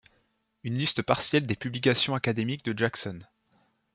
Une liste partielle des publications académiques de Jackson.